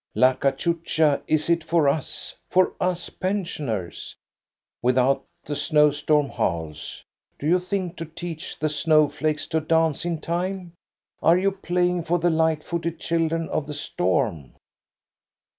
La cachucha, is it for us, — for us pensioners ? With out the snow storm howls. Do you think to teach the snow flakes to dance in time? Are you playing for the light footed children of the storm?